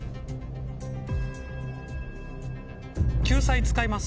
救済使います。